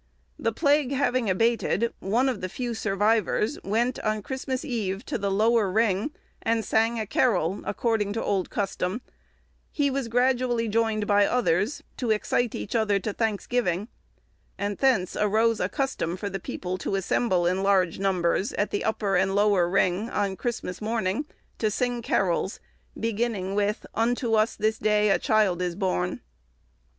The plague having abated, one of the few survivors went, on Christmas Eve, to the lower ring, and sang a carol, according to old custom; he was gradually joined by others, to excite each other to thanksgiving; and thence arose a custom for the people to assemble in large numbers, at the upper and lower ring, on Christmas morning, to sing carols, beginning with, "Unto us this day a child is born."